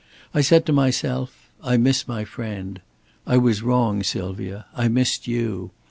I said to myself, 'I miss my friend.' I was wrong, Sylvia. I missed you.